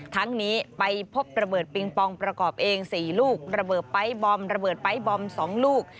ทั้งนี้ไปพบระเบิดปิงปองประกอบเอง๔ลูกระเบิดไป๊บอมระเบิดไป๊บอม๒ลูก